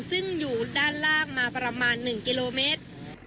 ซึ่งอยู่ด้านล่างมาประมาณ๑กิโลเมตร